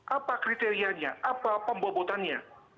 apa kriterianya apa pembobotannya